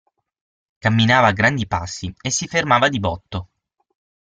Camminava a grandi passi, e si fermava di botto.